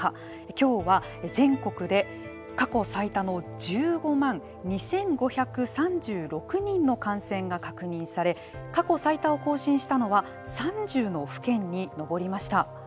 きょうは全国で過去最多の１５万２５３６人の感染が確認され過去最多を更新したのは３０の府県に上りました。